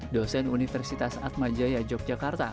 dosen universitas atmajaya yogyakarta